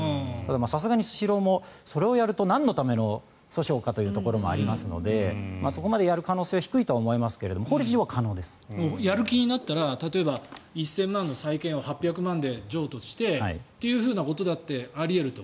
さすがにスシローもそれをやるとなんのための訴訟かというところもありますのでそこまでやる可能性は低いと思いますけれどやる気になったら例えば１０００万円の債権を８００万円で譲渡してということもあり得ると。